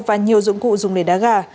và nhiều dụng cụ dùng để đá gà